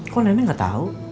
kok nenek gak tau